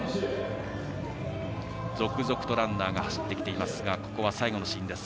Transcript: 続々とランナーが走ってきていますがここは最後のシーンです。